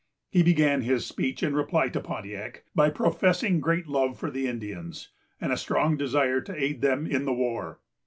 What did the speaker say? He began his speech in reply to Pontiac by professing great love for the Indians, and a strong desire to aid them in the war.